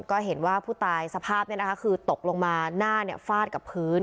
ก็เห็นว่าผู้ตายสภาพคือตกลงมาหน้าฟาดกับพื้น